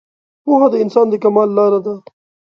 پوهه د انسان د کمال لاره ده